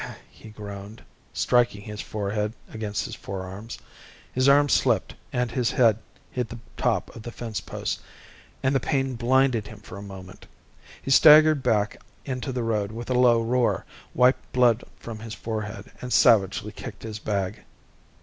_" he groaned, striking his forehead against his forearms. His arm slipped, and his head hit the top of the fencepost, and the pain blinded him for a moment. He staggered back into the road with a low roar, wiped blood from his forehead, and savagely kicked his bag.